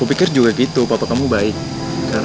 apa kau pengen pergi tempat kamu ke luar